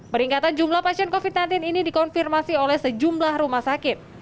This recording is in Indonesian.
peningkatan jumlah pasien covid sembilan belas ini dikonfirmasi oleh sejumlah rumah sakit